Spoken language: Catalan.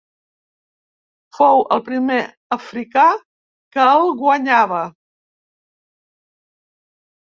Fou el primer africà que el guanyava.